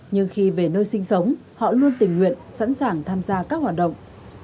nhưng khi về nơi sinh sống họ luôn tình nguyện sẵn sàng tham gia các hoạt động